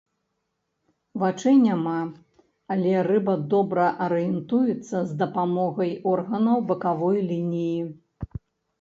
Вачэй няма, але рыба добра арыентуецца з дапамогай органаў бакавой лініі.